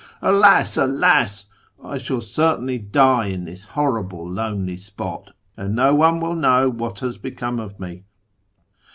Alas ! alas ! I shall certainly die in this horrible, lonely spot, and no one will know what has become of me